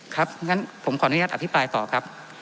ครับงั้นผมขออนุญาตอภิปรายต่อครับ